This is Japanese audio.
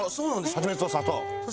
ハチミツと砂糖。